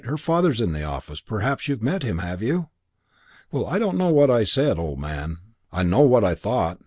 Her father's in the office. Perhaps you've met him, have you?' "Well, I don't know what I said, old man. I know what I thought.